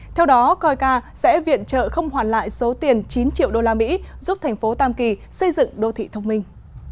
theo đó coica sẽ viện trợ không hoàn lại số tiền chín triệu usd giúp thành phố tam kỳ xây dựng đô thị thông minh